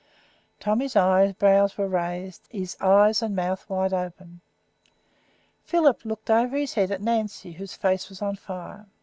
Tommy's eyebrows were raised, his eyes and mouth wide open. Philip looked over his head at Nancy, whose face was on fire.